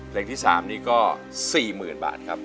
เพลงที่๓นี้ก็๔๐๐๐บาทครับ